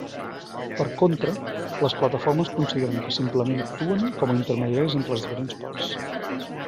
Per contra, les plataformes consideren que simplement actuen com a intermediaris entre les diferents parts.